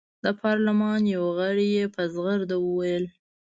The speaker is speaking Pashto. د پارلمان یوه غړي په زغرده وویل.